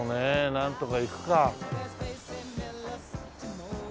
なんとかいくか。